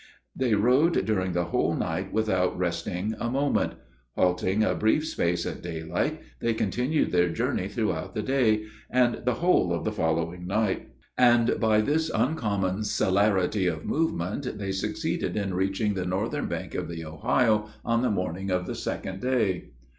They rode during the whole night without resting a moment. Halting a brief space at daylight, they continued their journey throughout the day, and the whole of the following night; and, by this uncommon celerity of movement, they succeeded in reaching the northern bank of the Ohio on the morning of the second day.